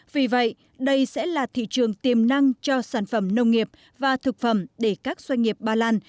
vì vậy đây sẽ là thị trường tiềm năng cho sản phẩm nông nghiệp và thực phẩm để các doanh nghiệp ba lan